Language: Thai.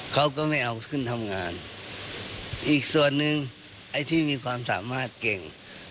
เขาก็ไม่เอาขึ้นทำงานอีกส่วนหนึ่งไอ้ที่มีความสามารถเก่ง